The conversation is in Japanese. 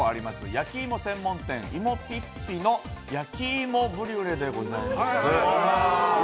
焼き芋専門店、芋ぴっぴの焼き芋ブリュレでございます。